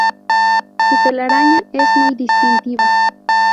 Su telaraña es muy distintiva.